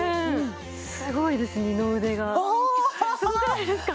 すごいです二の腕がああっすごくないですか？